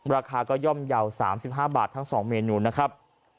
ราคาก็ย่อมเยาว์๓๕บาททั้ง๒เมนูนะครับ